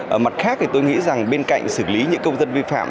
ở mặt khác thì tôi nghĩ rằng bên cạnh xử lý những công dân vi phạm